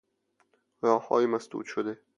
راههای مسدود شده